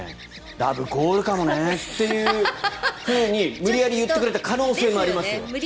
ラブコールかもねっていうふうに無理やり言ってくれた可能性もありますよ。ですよね。